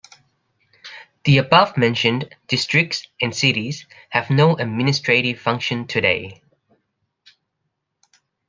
The above-mentioned districts and cities have no administrative function today.